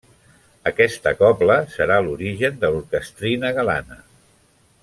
Aquesta Cobla serà l'origen de l'Orquestrina Galana.